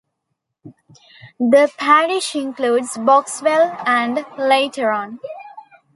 The parish includes Boxwell and Leighterton.